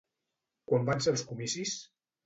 Quan van ser els comicis?